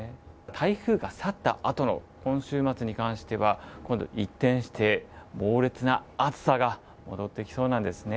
台風が去ったあとの今週末に関しては今度、一転して、猛烈な暑さが戻ってきそうなんですね。